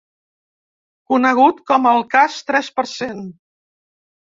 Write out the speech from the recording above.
Conegut com el cas tres per cent.